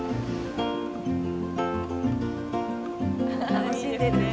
楽しんでるね。